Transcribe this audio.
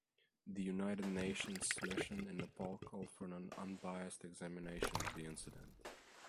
The United Nations Mission in Nepal called for an unbiased examination of the incident.